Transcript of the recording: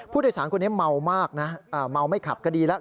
ผู้โดยสารคนนี้เมามากนะเมาไม่ขับก็ดีแล้ว